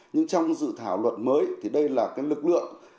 nhưng trong dự thảo luật mới đây là lực lượng